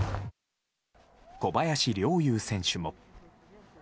小林陵侑選手も。